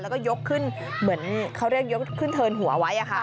แล้วก็ยกขึ้นเหมือนเขาเรียกยกขึ้นเทินหัวไว้